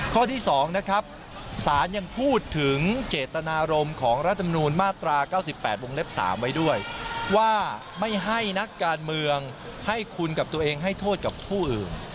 ข้อที่๒นะครับสารยังพูดถึงเจตนารมณ์ของรัฐมนูลมาตรา๙๘วงเล็บ๓ไว้ด้วยว่าไม่ให้นักการเมืองให้คุณกับตัวเองให้โทษกับผู้อื่น